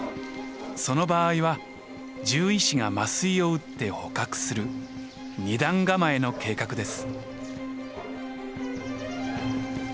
その場合は獣医師が麻酔を打って捕獲する二段構えの計画です。